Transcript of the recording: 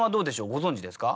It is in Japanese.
ご存じですか？